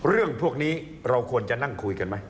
เรื่องพวกนี้เราควรจะนั่งคุยกันไหม